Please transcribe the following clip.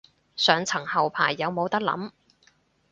上層後排有冇得諗